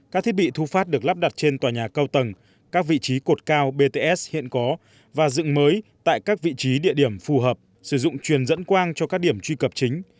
các thiết bị thu phát được lắp đặt trên tòa nhà cao tầng các vị trí cột cao bts hiện có và dựng mới tại các vị trí địa điểm phù hợp sử dụng truyền dẫn quang cho các điểm truy cập chính